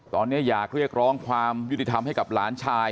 ตอนนี้อยากเรียกร้องความยุติธรรมให้กับหลานชาย